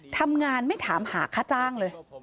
ทำงานไม่ถามหาค่าจ้างเลย